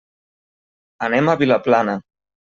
Anem a Vilaplana.